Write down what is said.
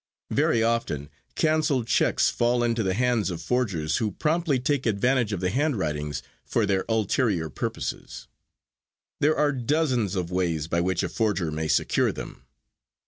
Very often cancelled checks fall into the hands of forgers who promptly take advantage of the handwritings for their ulterior purposes. There are dozens of ways by which a forger may secure them.